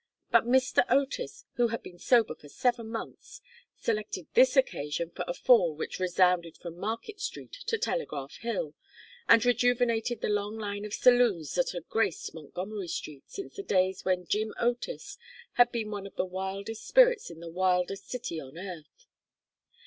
But Mr. Otis, who had been sober for seven months, selected this occasion for a fall which resounded from Market Street to Telegraph Hill, and rejuvenated the long line of saloons that had graced Montgomery Street since the days when "Jim" Otis had been one of the wildest spirits in the wildest city on earth.